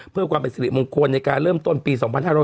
เพื่อความเป็นสิริมงคลในการเริ่มต้นปี๒๕๖๐